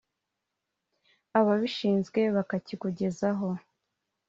ababishinzwe bakakikugezaho